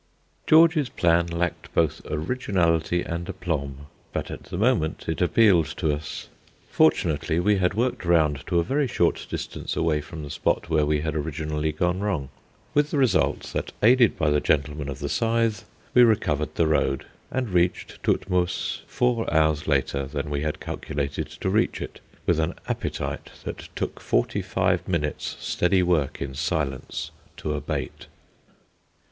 George's plan lacked both originality and aplomb, but at the moment it appealed to us. Fortunately, we had worked round to a very short distance away from the spot where we had originally gone wrong; with the result that, aided by the gentleman of the scythe, we recovered the road, and reached Todtmoos four hours later than we had calculated to reach it, with an appetite that took forty five minutes' steady work in silence to abate.